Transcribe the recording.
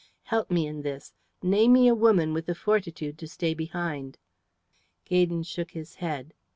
Help me in this. Name me a woman with the fortitude to stay behind." Gaydon shook his head.